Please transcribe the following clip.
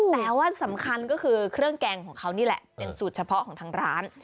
แต่ว่าสำคัญก็คือเครื่องแกงของเขานี่แหละเป็นสูตรเฉพาะของทางร้าน